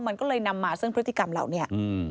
มันก็เลยนำมาซึ่งพฤติกรรมเหล่านี้